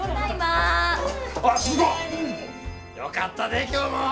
よかったで今日も！